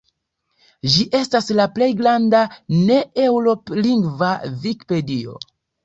Ĝi estas la plej granda ne-eŭroplingva vikipedio.